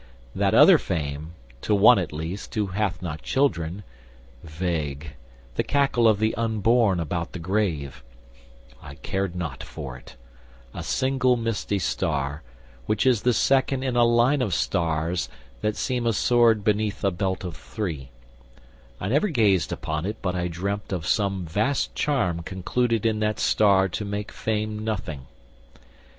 That other fame, To one at least, who hath not children, vague, The cackle of the unborn about the grave, I cared not for it: a single misty star, Which is the second in a line of stars That seem a sword beneath a belt of three, I never gazed upon it but I dreamt Of some vast charm concluded in that star To make fame nothing.